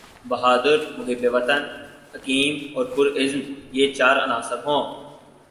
بہادر، محب وطن، حکیم اور پرعزم یہ چار عناصر ہوں۔